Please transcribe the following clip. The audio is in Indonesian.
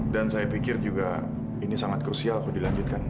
dan saya pikir juga ini sangat krusial kalau dilanjutkan